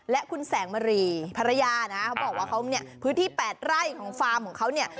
และคุณแสงมรีภรรยาเขาบอกว่าเพื่อที่แปดไร่ของความภาษาของเขา